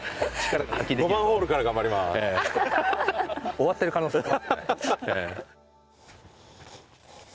終わってる可能性も。